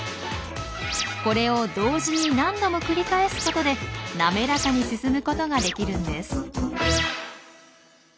これを同時に何度も繰り返すことで滑らかに進むことができるんです。